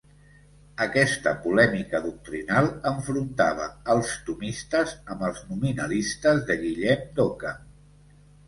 Aquesta polèmica doctrinal enfrontava als tomistes amb els nominalistes de Guillem d'Occam.